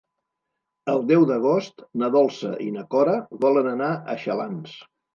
El deu d'agost na Dolça i na Cora volen anar a Xalans.